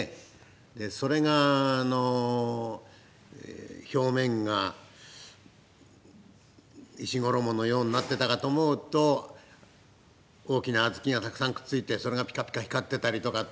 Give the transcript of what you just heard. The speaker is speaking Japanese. それがあの表面が石衣のようになっていたかと思うと大きな小豆がたくさんくっついてそれがピカピカ光ってたりとか。